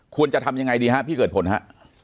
ควรจะทำอย่างไรดีพี่เกริดพึน